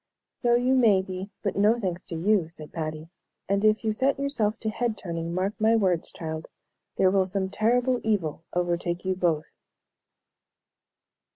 "So you may be, but no thanks to you," said Patty, "and if you set yourself to head turning, mark my words, child, there will some terrible evil overtake you both."